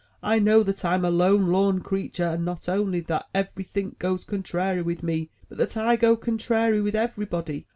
I know that Tm a lone lorn creetur, and not only that every think goes contrairy with me, but that I go contrairy with everybody.